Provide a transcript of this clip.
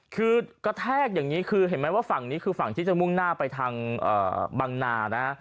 คือกระแทกอย่างนี้คือเห็นไหมว่าฝั่งนี้คือฝั่งที่จะมุ่งหน้าไปทางบังนานะ